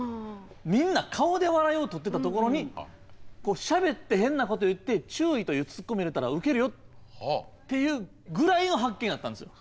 みんな顔で笑いをとってたところにしゃべって変なこと言って注意というツッコミを入れたらウケるよっていうぐらいの発見だったんですよ。